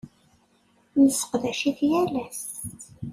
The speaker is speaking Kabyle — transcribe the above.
Nesseqdac-it yal ass.